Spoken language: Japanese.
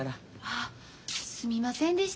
あすみませんでした